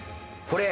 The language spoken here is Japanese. これ？